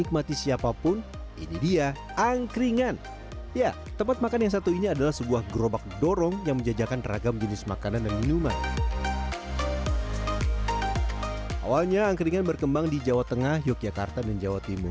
kiki aryadi mencoba angkringan di jawa tengah dan yogyakarta